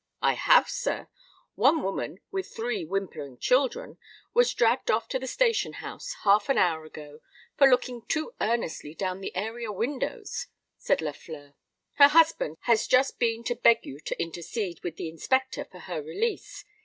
"I have, sir. One woman, with three whimpering children, was dragged off to the station house half an hour ago, for looking too earnestly down the area windows," said Lafleur. "Her husband has just been to beg you to intercede with the Inspector for her release.